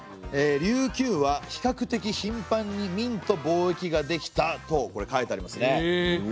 「琉球は比較的ひんぱんに明と貿易ができた」と書いてありますね。